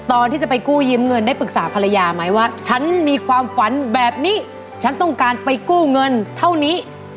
ตอนที่จะไปกู้ยืมเงินได้ปรึกษาภรรยาไหมว่าฉันมีความฝันแบบนี้ฉันต้องการไปกู้เงินเท่านี้